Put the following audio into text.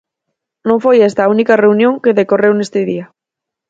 Non foi esta a única reunión que decorreu neste día.